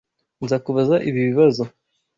Nzakubaza ibi bibazo.